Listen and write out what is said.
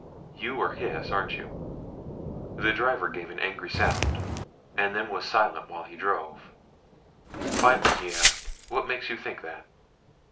You are Hys, aren't you?" The driver gave an angry sound, and then was silent while he drove. Finally he asked, "What makes you think that?"